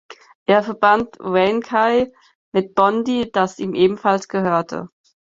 Er verband Raincy mit Bondy, das ihm ebenfalls gehörte.